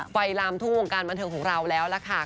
ไฟลามทั่ววงการบันเทิงของเราแล้วล่ะค่ะ